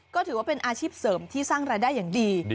ก็ถือว่าเป็นอาชีพเสริมที่สร้างรายได้อย่างดี